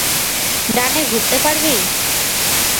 ডানে ঘুরতে পারবি?